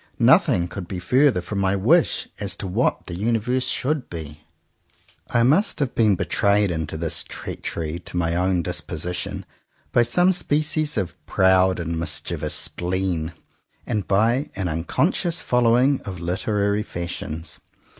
Nothing could be further from my wish as to what the universe should be. I must have been betrayed into this treachery to my own disposition by some species of proud and mischievous spleen, and by an unconscious following of literary fashions.